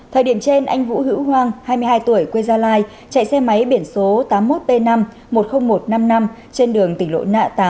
thời điểm trên anh vũ hữu hoàng hai mươi hai tuổi quê gia lai chạy xe máy biển số tám mươi một p năm một mươi nghìn một trăm năm mươi năm trên đường tỉnh lộ nạ tám